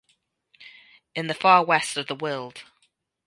In the far west of the world.